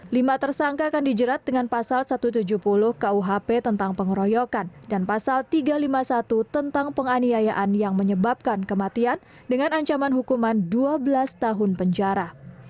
lima tersangka akan dijerat dengan pasal satu ratus tujuh puluh kuhp tentang pengeroyokan dan pasal tiga ratus lima puluh satu tentang penganiayaan yang menyebabkan kematian dengan ancaman hukuman dua belas tahun penjara